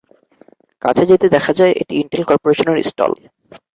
কাছে যেতে দেখা যায়, এটি ইনটেল করপোরেশনের স্টল।